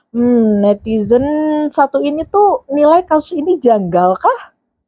hmm netizen satu ini tuh nilai kasus ini janggal kah